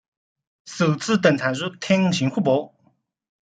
首次登场于探险活宝。